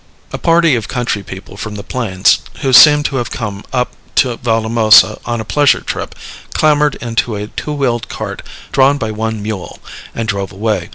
A party of country people from the plains, who seemed to have come up to Valdemosa on a pleasure trip, clambered into a two wheeled cart drawn by one mule, and drove away.